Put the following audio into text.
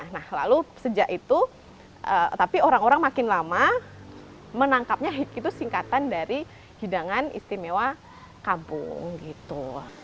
nah lalu sejak itu tapi orang orang makin lama menangkapnya hip itu singkatan dari hidangan istimewa kampung gitu